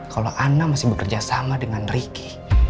kalau ana masih bekerja sama dengan ricky